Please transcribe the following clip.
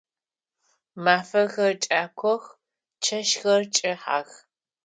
Мафэхэр кӏакох, чэщхэр кӏыхьэх.